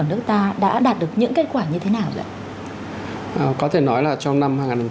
ở nước ta đã đạt được những kết quả như thế nào vậy